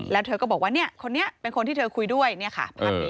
แล้วเธอก็บอกว่าเนี่ยคนนี้เป็นที่เธอคุยด้วยอยู่นี่ค่ะ